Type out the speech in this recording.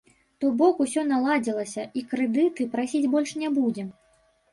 То бок усё наладзілася, і крэдыты прасіць больш не будзем.